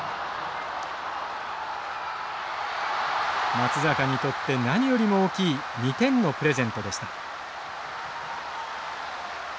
松坂にとって何よりも大きい２点のプレゼントでした。